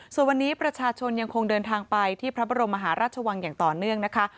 ส่วนวันนี้ประชาชนยังคงเดินทางไปที่พระบรมมหาราชวังอย่างต่อเนื่องนะคะ